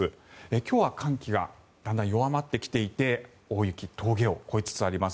今日は寒気がだんだん弱まってきていて大雪、峠を越えつつあります。